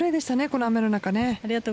この雨の中。